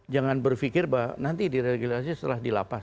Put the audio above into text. jangan berpikir bahwa nanti direalisasi setelah dilapas